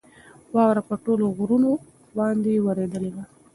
واوره په ټولو غرو باندې ورېدلې وه.